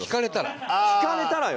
聞かれたらよ。